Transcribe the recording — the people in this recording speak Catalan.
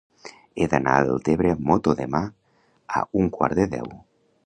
He d'anar a Deltebre amb moto demà a un quart de deu.